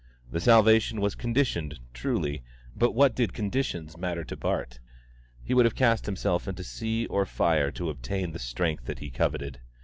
The salvation was conditioned, truly; but what did conditions matter to Bart! He would have cast himself into sea or fire to obtain the strength that he coveted.